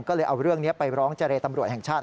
ก็เลยเอาเรื่องนี้ไปร้องเจรตำรวจแห่งชาติ